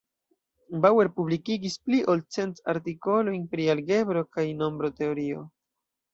Bauer publikigis pli ol cent artikolojn pri algebro kaj nombroteorio.